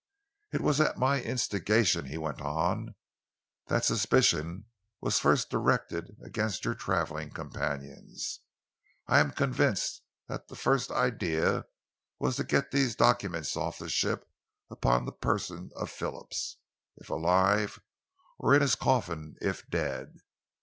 "It was at my instigation," he went on, "that suspicion was first directed against your travelling companions. I am convinced that the first idea was to get these documents off the ship upon the person of Phillips, if alive, or in his coffin if dead.